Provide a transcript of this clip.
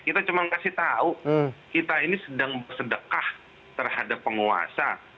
kita cuma ngasih tahu kita ini sedang bersedekah terhadap penguasa